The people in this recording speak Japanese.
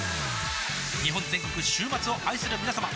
日本全国週末を愛するみなさま